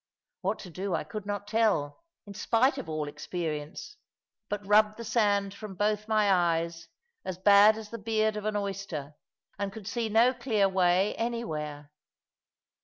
What to do I could not tell, in spite of all experience, but rubbed the sand from both my eyes, as bad as the beard of an oyster, and could see no clear way anywhere.